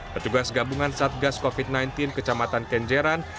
petugas gabungan satgas covid sembilan belas kecamatan kenjeran